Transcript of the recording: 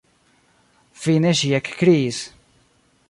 Fine ŝi ekkriis: